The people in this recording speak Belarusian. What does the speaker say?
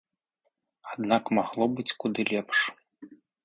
Аднак магло быць куды лепш.